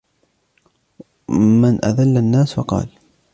مَنْ أَذَلُّ النَّاسِ ؟ فَقَالَ